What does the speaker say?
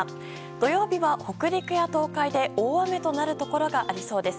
土曜日は北陸や東海で大雨となるところがありそうです。